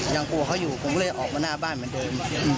ยังกลัวเขาอยู่ผมก็เลยออกมาหน้าบ้านเหมือนเดิม